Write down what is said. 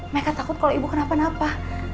mereka takut kalau ibu kenapa napa